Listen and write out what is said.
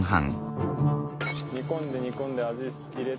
煮込んで煮込んで味入れて。